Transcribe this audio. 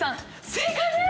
正解です！